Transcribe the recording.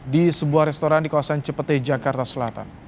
di sebuah restoran di kawasan cepete jakarta selatan